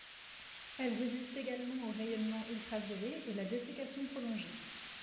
Elle résiste également aux rayonnements ultraviolets et la dessiccation prolongée.